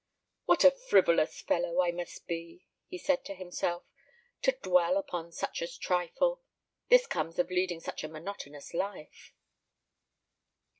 "What a frivolous fellow I must be," he said to himself, "to dwell upon such a trifle! This comes of leading such a monotonous life."